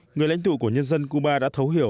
người lãnh tụ của nhân dân cuba đã thấu hiểu